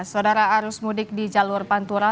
saudara arus mudik di jalur pantura